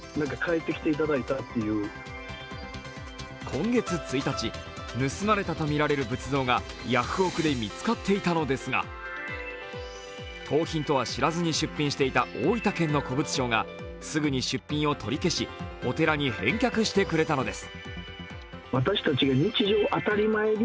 今月１日、盗まれたとみられる仏像がヤフオク！で見つかっていたのですが盗品とは知らずに出店していた大分県の古物商がすぐに出品を取り消しお寺に返却してくれたのです。